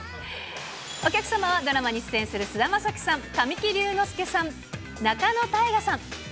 お客様はドラマに出演する菅田将暉さん、神木隆之介さん、仲野太賀さん。